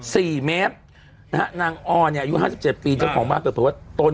สี่เมตรนะฮะนางออเนี้ยอายุห้าสิบเจ็บปีแจ๊บของบ้านเฉพาะบ้านเตือน